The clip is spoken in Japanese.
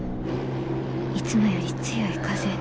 いつもより強い風。